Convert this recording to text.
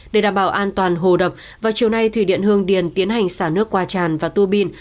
để đảm bảo an toàn hồ đập vào chiều nay thủy điện hương điền tiến hành xả nước qua tràn và tua bin